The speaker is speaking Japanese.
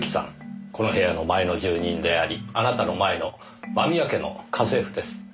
この部屋の前の住人でありあなたの前の間宮家の家政婦です。